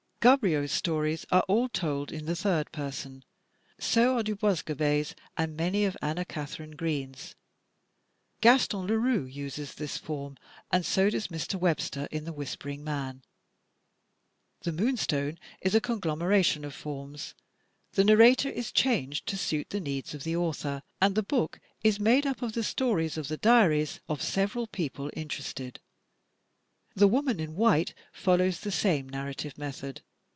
Gaboriau's stories are all told in the third person; so are DuBoisgobey's and many of Anna Katharine Green's. Gaston Leroux uses this form and so does Mr. Webster in "The Whispering Man." "The Moonstone" is a conglomeration of forms. The narrator is changed to suit the needs of the author, and the book is made up of the stories of the diaries of several people interested; "The Woman in White" follows the same nar rative method.